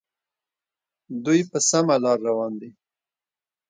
دوی په سمه لار روان دي.